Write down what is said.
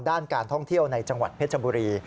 ด้านการท่องเที่ยวในจังหวัดเพชรบุรี